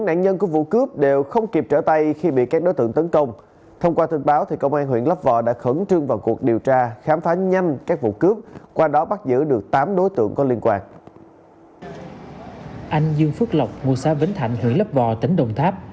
anh dương phước lộc mùa xá vến thạnh huyện lấp vò tỉnh đồng tháp